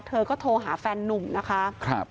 เธอก็โทรหาแฟนนุ่มนะคะ